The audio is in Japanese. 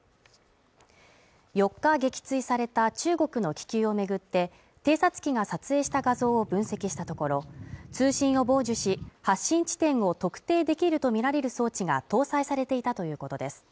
４日撃墜された中国の気球を巡って偵察機が撮影した画像を分析したところ通信を傍受し発信地点を特定できるとみられる装置が搭載されていたということです